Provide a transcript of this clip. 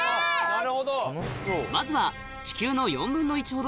なるほど。